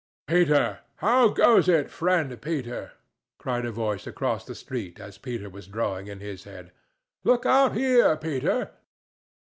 "Peter! How goes it, friend Peter?" cried a voice across the street as Peter was drawing in his head. "Look out here, Peter!"